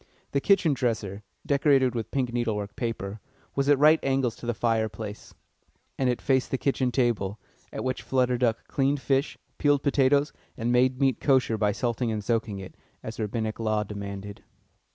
The kitchen dresser, decorated with pink needle work paper, was at right angles to the fireplace, and it faced the kitchen table, at which Flutter Duck cleaned fish, peeled potatoes, and made meat kosher by salting and soaking it, as Rabbinic law demanded.